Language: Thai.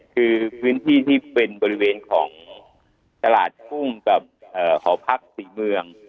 คือพื้นที่ที่เป็นบริเวณของตลาดกุ้งกับหอพักศรีเมือง